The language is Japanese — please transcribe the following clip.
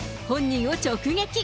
本人を直撃。